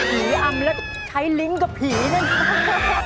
ผีอำแล้วใช้ลิ้นกับผีนึง